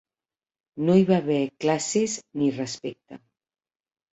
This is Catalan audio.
No hi va haver classes ni respecte